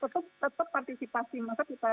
tetap partisipasi maka kita